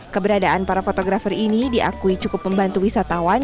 keberadaan para fotografer ini diakui cukup membantu wisatawan